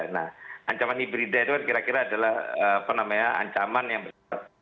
nah ancaman hibrida itu kan kira kira adalah ancaman yang bersifat